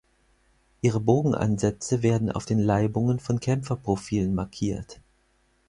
Ihre Bogenansätze werden auf den Laibungen von Kämpferprofilen markiert.